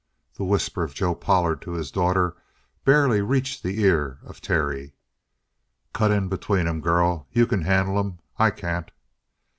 The whisper of Joe Pollard to his daughter barely reached the ear of Terry. "Cut in between 'em, girl. You can handle 'em. I can't!"